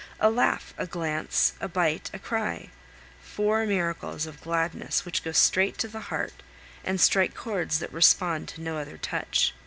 A laugh, a glance, a bite, a cry four miracles of gladness which go straight to the heart and strike chords that respond to no other touch.